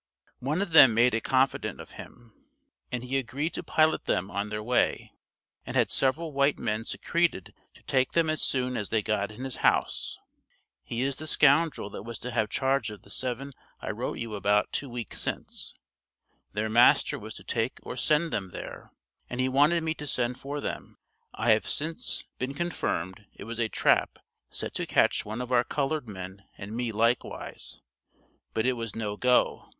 One of them made a confidant of him, and he agreed to pilot them on their way, and had several white men secreted to take them as soon as they got in his house; he is the scoundrel that was to have charge of the 7 I wrote you about two weeks since; their master was to take or send them there, and he wanted me to send for them. I have since been confirmed it was a trap set to catch one of our colored men and me likewise, but it was no go.